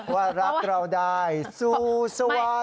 ว่ารักเราได้ซู่ซะวาน